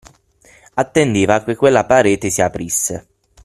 Attendeva che quella parete si aprisse.